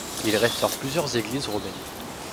Il restaure plusieurs églises romaines.